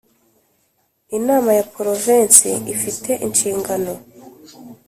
Inama ya Porovensi ifite inshingano